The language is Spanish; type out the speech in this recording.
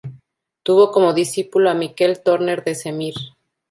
Tuvo como discípulo a Miquel Torner de Semir.